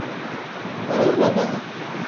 Bağırma bana!